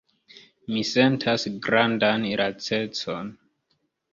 Mi sentas grandan lacecon.“